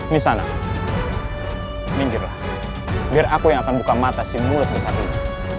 nisana minggirlah biar aku yang akan buka mata si mulut besar ini